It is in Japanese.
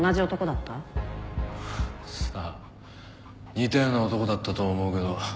似たような男だったと思うけど。